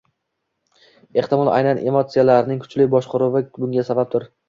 Ehtimol, aynan emotsiyalarning kuchli boshqaruvi bunga sababdir.